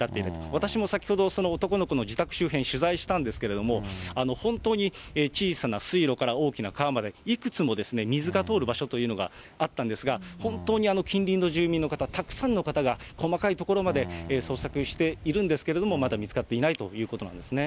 私も先ほど、その男の子の自宅周辺、取材したんですけれども、本当に小さな水路から大きな川まで、いくつも水が通る場所というのがあったんですが、本当に近隣の住民の方、たくさんの方が細かい所まで捜索しているんですけれども、まだ見つかっていないということなんですね。